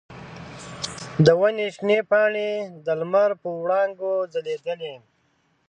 د ونې شنې پاڼې د لمر په وړانګو ځلیدلې.